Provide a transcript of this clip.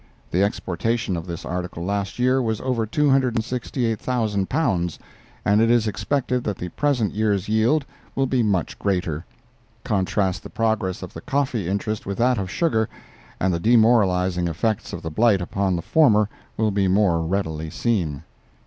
The exportation of this article last year was over 268,000 pounds, and it is expected that the present year's yield will be much greater. Contrast the progress of the coffee interest with that of sugar, and the demoralizing effects of the blight upon the former will be more readily seen.